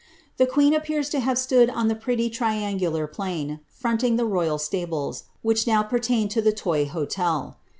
The queen appears to have stood on the pretty triangular |^n, fronting the royal stables, which now appertain to the Toy Hotel.